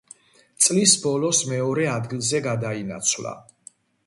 წლის ბოლოს მეორე ადგილზე გადაინაცვლა.